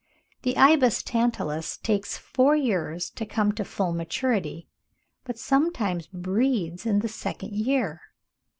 The Ibis tantalus takes four years to come to full maturity, but sometimes breeds in the second year (vol.